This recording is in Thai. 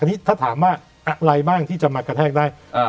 ทีนี้ถ้าถามว่าอะไรบ้างที่จะมากระแทกได้